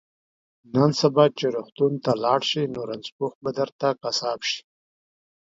نن سبا چې روغتون ته لاړ شي نو رنځپوه به درته سم قصاب شي